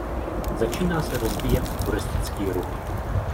Začíná se rozvíjet turistický ruch.